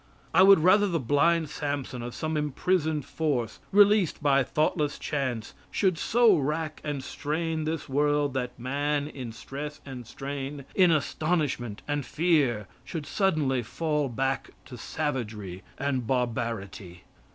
I would rather the blind Samson of some imprisoned force, released by thoughtless chance, should so rack and strain this world that man in stress and strain, in astonishment and fear, should suddenly fall back to savagery and barbarity.